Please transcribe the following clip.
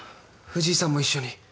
藤井さんも一緒に。